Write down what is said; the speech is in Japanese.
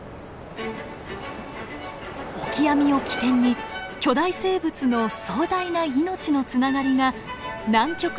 オキアミを起点に巨大生物の壮大な命のつながりが南極全体に広がっているのです。